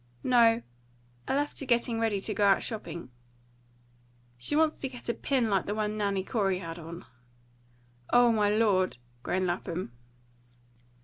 "No; I left her getting ready to go out shopping. She wants to get a pin like the one Nanny Corey had on." "O my Lord!" groaned Lapham.